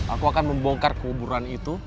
aku akan membongkar kuburan itu